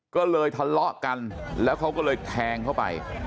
ก็เลยทะเลาะกันแล้วเขาก็เลยแทงเข้าไป